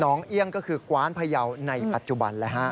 เอี่ยงก็คือกว้านพยาวในปัจจุบัน